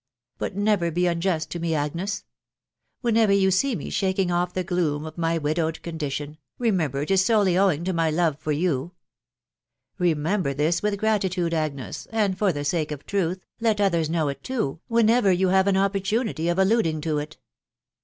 ... But never be unjust to me, Agnes !.... Whenever you see me shaking off the gloom of my widowed condition, remember it is solely owing to my love for you Re member this with gratitude, Agnes, and, for the sake of truth, let others know it too, whenever you have an opportunity of alluding to it."